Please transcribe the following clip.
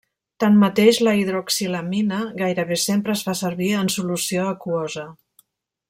Tanmateix, la hidroxilamina gairebé sempre es fa servir en solució aquosa.